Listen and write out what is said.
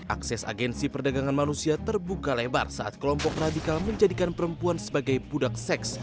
akses agensi perdagangan manusia terbuka lebar saat kelompok radikal menjadikan perempuan sebagai budak seks